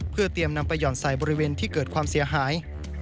เพื่อเตรียมนำไปห่อนใส่บริเวณที่เกิดความเสียหาย